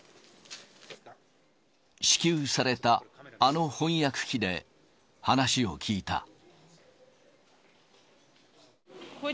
支給されたあの翻訳機で話を聞いた。